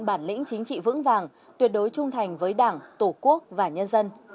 bản lĩnh chính trị vững vàng tuyệt đối trung thành với đảng tổ quốc và nhân dân